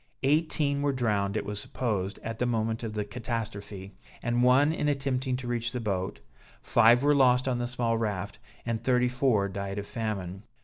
Eighteen were drowned, it was supposed, at the moment of the catastrophe, and one in attempting to reach the boat, five were lost on the small raft, and thirty four died of famine.